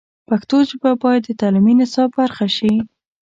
پښتو ژبه باید د تعلیمي نصاب برخه شي.